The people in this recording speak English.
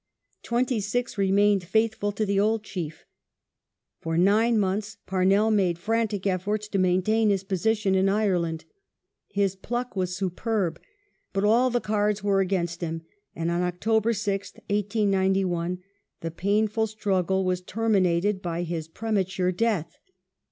Twenty six remained faithful to the old Chief. For nine months Pamell made frantic efforts to maintain his position in Ireland. His pluck was superb, but all the cards were against him, and on October 6th, 1891, the painful struggle was terminated by his pre mature death.